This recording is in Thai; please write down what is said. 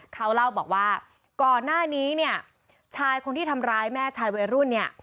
เขาเล่าบอกว่าก่อนหน้านี้เนี่ยชายคนที่ทำร้ายแม่ชายวัยรุ่นเนี่ย